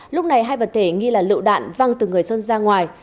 lúc này hai vật thể nghi là lựu đạn văng từ người sơn ra ngoài